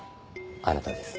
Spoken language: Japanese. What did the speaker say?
あなたです。